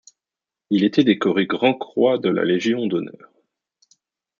Il était décoré Grand-Croix de la Légion d'Honneur.